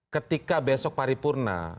ketika besok paripurna